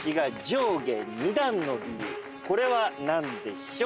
これは何でしょう？